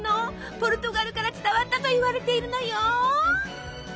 ポルトガルから伝わったといわれているのよ。